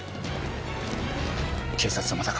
警察はまだか？